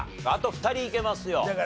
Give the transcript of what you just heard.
あと２人いけますよ。